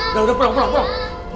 udah udah pulang pulang pulang